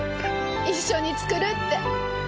一緒に作るって。